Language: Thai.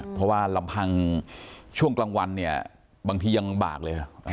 เพราะว่าลำพังช่วงกลางวันเนี่ยบางทียังบากเลย